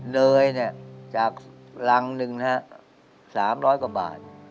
เนยเนี่ยจากรังหนึ่งนะฮะ๓๐๐กว่าบาท